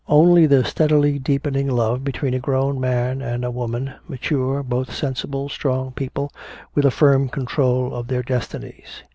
Only the steadily deepening love between a grown man and a woman mature, both sensible, strong people with a firm control of their destinies.